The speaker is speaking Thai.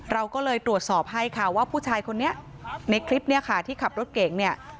เราก็เลยตรวจสอบให้ค่ะว่าผู้ชายคนนี้ในคลิปเนี่ยค่ะที่ขับรถเก่งเนี่ย